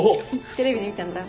テレビで見たんだ。